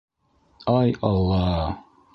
Ай Алла!